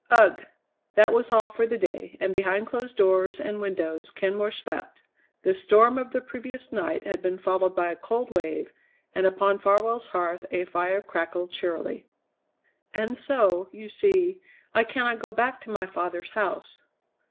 "Ugh!" That was all for the day, and behind closed doors and windows Kenmore slept. The storm of the previous night had been followed by a cold wave, and upon Farwell's hearth a fire crackled cheerily. "And so, you see, I cannot go back to my father's house."